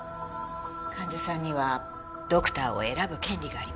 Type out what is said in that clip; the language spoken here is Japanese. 患者さんにはドクターを選ぶ権利があります。